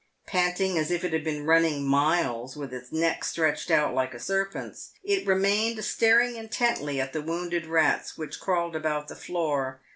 Panting, as if it bad been running miles, with its neck stretcbed out like a serpent's, it remained staring intently at the wounded rats which crawled about the floor.